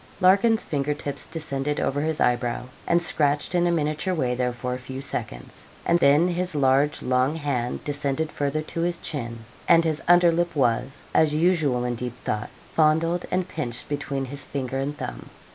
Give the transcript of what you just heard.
Larkin's finger tips descended over his eyebrow, and scratched in a miniature way there for a few seconds, and then his large long hand descended further to his chin, and his under lip was, as usual in deep thought, fondled and pinched between his finger and thumb.